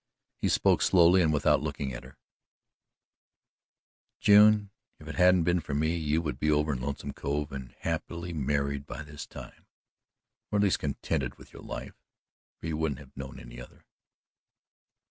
He spoke slowly and without looking at her: "June, if it hadn't been for me, you would be over in Lonesome Cove and happily married by this time, or at least contented with your life, for you wouldn't have known any other."